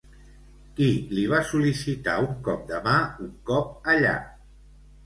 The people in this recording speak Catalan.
Qui li va sol·licitar un cop de mà, un cop allà?